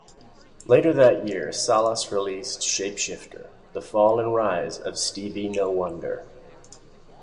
Later that year Salas released "Shapeshifter: The Fall and Rise of Stevie No-Wonder".